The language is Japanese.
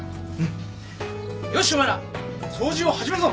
よしお前ら掃除を始めるぞ。